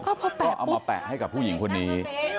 ก็แปะเอามาแปะให้กับผู้หญิงคนนี้